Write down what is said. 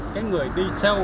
cái người đi sau